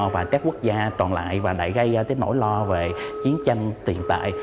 và trách quốc gia toàn lại và gây nỗi lo về chiến tranh tiền tại